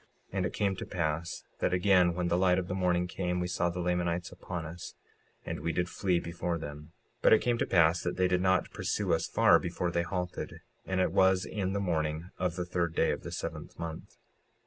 56:41 And it came to pass that again, when the light of the morning came we saw the Lamanites upon us, and we did flee before them. 56:42 But it came to pass that they did not pursue us far before they halted; and it was in the morning of the third day of the seventh month.